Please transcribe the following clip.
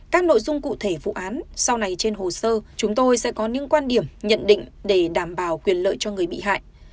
các nội dung cụ thể vụ án sau này trên hồ sơ chúng tôi sẽ có những quan điểm nhận định để đảm bảo quyền lợi cho người bị hại